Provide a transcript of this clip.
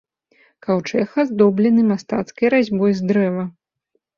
Каўчэг аздоблены мастацкай разьбой з дрэва.